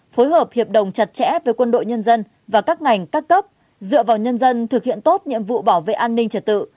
phối hợp hiệp đồng chặt chẽ với quân đội nhân dân và các ngành các cấp dựa vào nhân dân thực hiện tốt nhiệm vụ bảo vệ an ninh trật tự